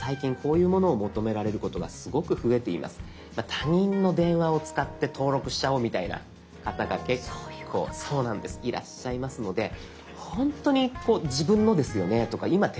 他人の電話を使って登録しちゃおうみたいな方が結構いらっしゃいますので「ほんとに自分のですよね？」とか「今手元にあるんですよね？」